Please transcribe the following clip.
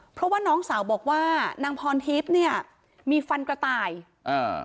เพราะว่าน้องสาวบอกว่านางพรทิพย์เนี่ยมีฟันกระต่ายอ่า